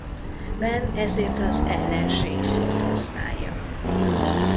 Ben ezért az ellenség szót használja.